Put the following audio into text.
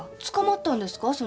つかまったんですか？